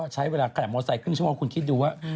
ใช้เวลาแข่งมอไซค์ครึ่งชั่วโมงคุณคิดดูว่า